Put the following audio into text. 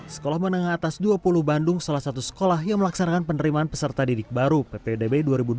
sekolah menengah atas dua puluh bandung salah satu sekolah yang melaksanakan penerimaan peserta didik baru ppdb dua ribu dua puluh